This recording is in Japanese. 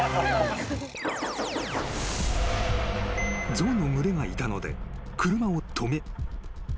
［象の群れがいたので車を止め］